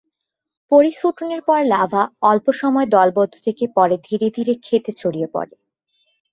পরিস্ফুটনের পর লার্ভা অল্পসময় দলবদ্ধ থেকে পরে ধীরে ধীরে ক্ষেতে ছড়িয়ে পড়ে।